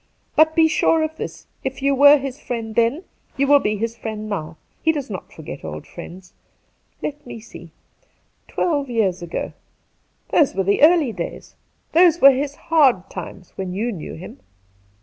But be sure of this, if you were his friend then, you will be his friend now. He does not forget old friends. Let me see. "Twelve years ago. Those were the early days — those were his hard times when you knew him.'